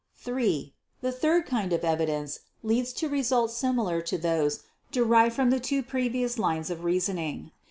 (3) The third kind of evidence leads to results similar to those derived from the two previous lines of reasoning.